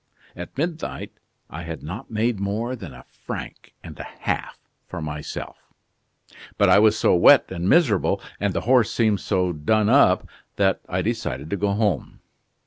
At midnight I had not made more than a franc and a half for myself, but I was so wet and miserable and the horse seemed so done up that I decided to go home.